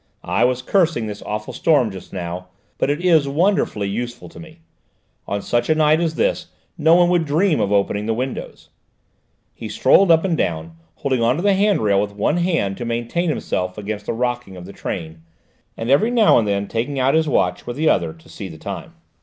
"I was cursing this awful storm just now, but it is wonderfully useful to me. On such a night as this no one would dream of opening the windows." He strolled up and down, holding on to the hand rail with one hand to maintain himself against the rocking of the train, and every now and then taking out his watch with the other to see the time.